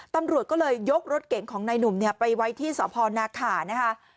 ตำรวจก็เลยยกรถเก่งของนายหนุ่มไปไว้ที่สพนาขานะคะ